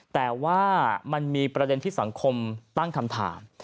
แต่ว่ามันมีประเด็นที่สังคมตั้งคำถาม